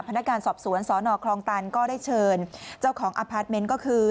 พนักงานสอบสวนสนคลองตันก็ได้เชิญเจ้าของอพาร์ทเมนต์ก็คือ